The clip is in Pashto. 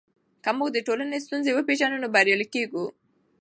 که موږ د ټولنې ستونزې وپېژنو نو بریالي کیږو.